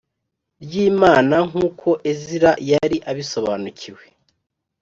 ryimana nkuko ezira yari abisobanukiwe